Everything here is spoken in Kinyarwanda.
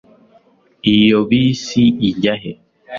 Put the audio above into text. iyo bisi ijya he